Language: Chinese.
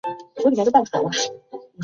当前赛季的参赛俱乐部以粗体字显示。